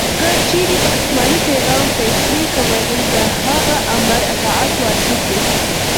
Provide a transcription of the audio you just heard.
کې چیري په اسماني پیغام فیصلې کولې؛ د هغه آمر اطاعت واجب يي.